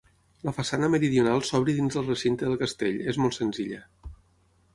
La façana meridional s'obre dins del recinte del castell, és molt senzilla.